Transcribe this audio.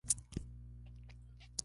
V. Miguel Angel.